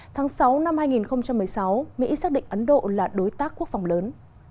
tháng sáu năm hai nghìn một mươi sáu mỹ xác định ấn độ là đối tác quốc phòng lớn